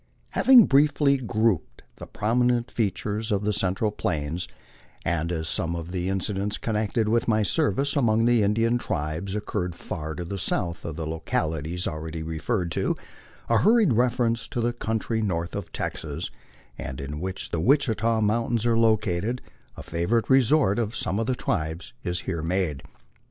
Having briefly grouped the prominent features of the central Plains, and as some of the incidents connected with my service among the Indian tribes oc curred far to the south of the localities already referred to, a hurried reference to the country north of Texas, and in which the Wichita mountains are located, a favorite resort of some of the tribes, is here made.